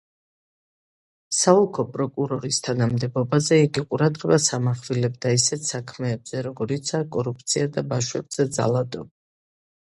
საოლქო პროკურორის თანამდებობაზე იგი ყურადღებას ამახვილებდა ისეთ საქმეებზე, როგორიცაა კორუფცია და ბავშვებზე ძალადობა.